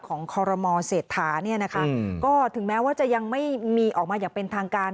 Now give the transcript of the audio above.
คอรมอเศรษฐาเนี่ยนะคะก็ถึงแม้ว่าจะยังไม่มีออกมาอย่างเป็นทางการ